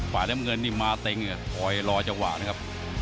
ฝ่ายน้ำเงินนี่มาเต็งคอยรอจังหวะนะครับ